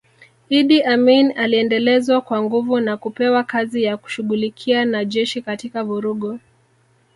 Idi Amin aliendelezwa kwa nguvu na kupewa kazi ya kushughulika na jeshi katika vurugu